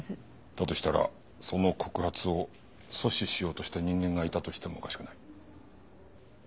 だとしたらその告発を阻止しようとした人間がいたとしてもおかしくない。